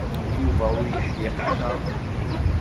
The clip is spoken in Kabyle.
Yuba ur yeḥdiq ara.